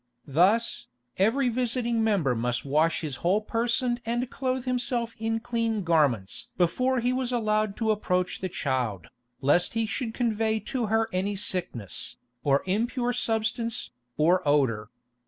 Thus, every visiting member must wash his whole person and clothe himself in clean garments before he was allowed to approach the child, "lest he should convey to her any sickness, or impure substance, or odour."